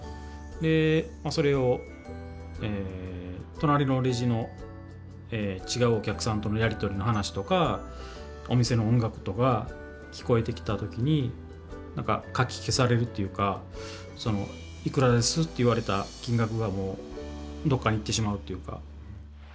でそれを隣のレジの違うお客さんとのやり取りの話とかお店の音楽とか聞こえてきた時にかき消されるっていうか「いくらです」って言われた金額がもうどっかに行ってしまうっていうか。